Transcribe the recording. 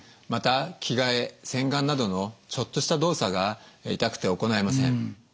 また着替え洗顔などのちょっとした動作が痛くて行えません。